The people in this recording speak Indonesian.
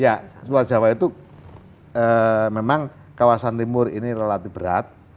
ya luar jawa itu memang kawasan timur ini relatif berat